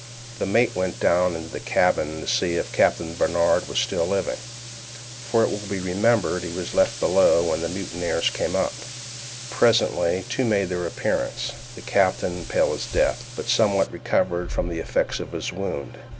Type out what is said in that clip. The mate went down into the cabin to see if Captain Barnard was still living—for, it will be remembered, he was left below when the mutineers came up. Presently the two made their appearance, the captain pale as death, but somewhat recovered from the effects of his wound.